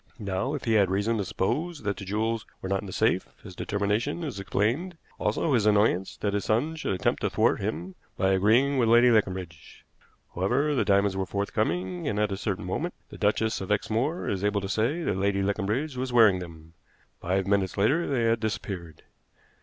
Now, if he had reason to suppose that the jewels were not in the safe, his determination is explained, also his annoyance that his son should attempt to thwart him by agreeing with Lady Leconbridge. However, the diamonds were forthcoming, and at a certain moment the Duchess of Exmoor is able to say that Lady Leconbridge was wearing them. Five minutes later they had disappeared.